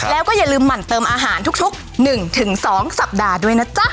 แล้วก็อย่าลืมหมั่นเติมอาหารทุก๑๒สัปดาห์ด้วยนะจ๊ะ